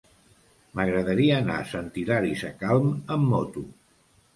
M'agradaria anar a Sant Hilari Sacalm amb moto.